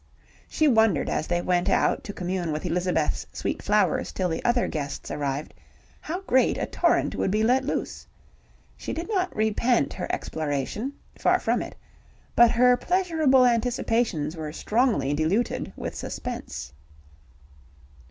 She wondered as they went out to commune with Elizabeth's sweet flowers till the other guests arrived how great a torrent would be let loose. She did not repent her exploration far from it but her pleasurable anticipations were strongly diluted with suspense.